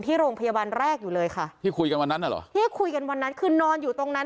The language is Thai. ที่โรงพยาบาลแรกอยู่เลยค่ะที่คุยกันวันนั้นน่ะเหรอที่คุยกันวันนั้นคือนอนอยู่ตรงนั้น